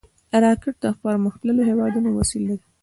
راکټ د پرمختللو هېوادونو وسیله ده